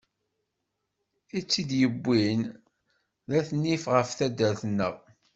I tt-id-yewwin d at nnif ɣer taddart-nneɣ.